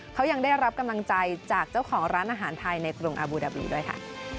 เขายังได้รับกำลังใจจากเจ้าของร้านอาหารไทยในกรุงอาบูดาบลีด้วยค่ะ